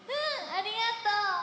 ありがとう！